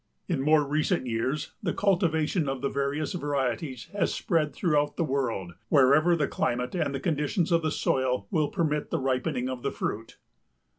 In more recent years the cultivation of the various varieties has spread throughout the world wherever the climate and the conditions of the soil will permit the ripening of the fruit.